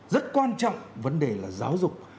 rất quan trọng vấn đề là giáo dục